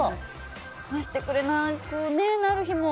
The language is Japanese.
話してくれなくなる日も。